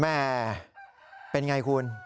แม่เป็นไงคุณ